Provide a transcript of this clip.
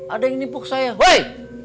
ada yang dipukul saya woi